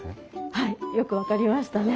はいよく分かりましたね。